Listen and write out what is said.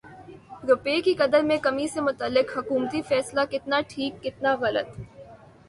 روپے کی قدر میں کمی سے متعلق حکومتی فیصلہ کتنا ٹھیک کتنا غلط